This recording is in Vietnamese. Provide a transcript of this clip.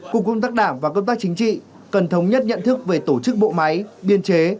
cục công tác đảng và công tác chính trị cần thống nhất nhận thức về tổ chức bộ máy biên chế